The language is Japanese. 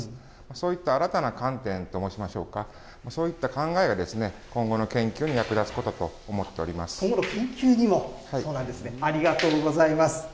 そういった新たな観点と申しましょうか、そういった考えが今後の研究に役立つことと思っておりま今後の研究にも、そうなんですね、ありがとうございます。